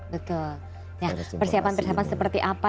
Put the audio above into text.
betul persiapan persiapan seperti apa